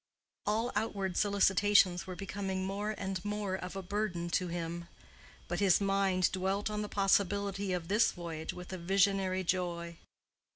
All outward solicitations were becoming more and more of a burden to him; but his mind dwelt on the possibility of this voyage with a visionary joy.